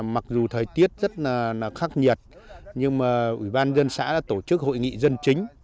mặc dù thời tiết rất là khắc nghiệt nhưng mà ủy ban dân xã đã tổ chức hội nghị dân chính